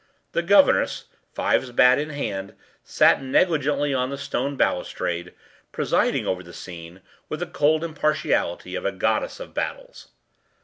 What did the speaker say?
The governess, fives bat in hand, sat negligently on the stone balustrade, presiding over the scene with the cold impartiality of a Goddess of Battles.